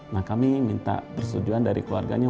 nah kami minta persetujuan dari keluarganya